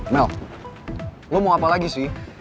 melk lo mau apa lagi sih